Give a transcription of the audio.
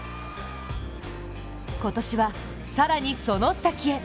今年は、更にその先へ！